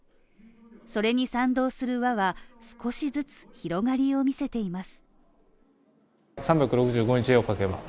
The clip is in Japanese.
それに賛同する輪は少しずつ広がりを見せています。